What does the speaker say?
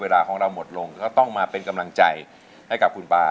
เวลาของเราหมดลงก็ต้องมาเป็นกำลังใจให้กับคุณป้า